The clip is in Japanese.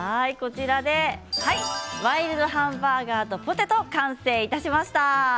ワイルドハンバーガーとポテト、完成いたしました。